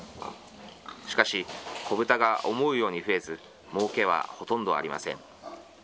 しかし、子豚が思うように増えず、もうけはほとんどありません。